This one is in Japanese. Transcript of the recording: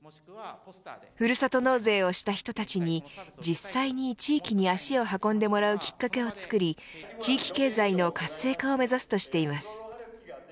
ふるさと納税をした人たちに実際に地域に足を運んでもらうきっかけを作り地域経済の活性化を目指すとしています。